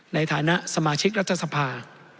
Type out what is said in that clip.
ในฐานะสมาชิกรัฐสภา